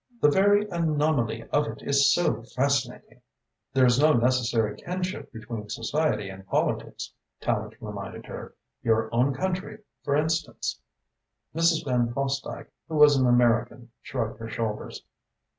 The very anomaly of it is so fascinating." "There is no necessary kinship between Society and politics," Tallente reminded her. "Your own country, for instance." Mrs. Van Fosdyke, who was an American, shrugged her shoulders.